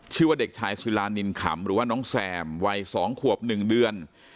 ชื่อว่าเด็กชายซิลานินคำหรือว่าน้องแซมวัยสองขวบหนึ่งเดือน